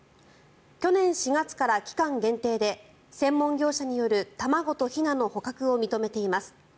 去年４月から期間限定で専門業者による卵とひなの確保を認めています。